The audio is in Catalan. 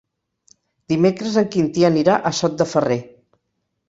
Dimecres en Quintí anirà a Sot de Ferrer.